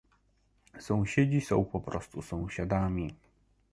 Sąsiedzi są po prostu sąsiadami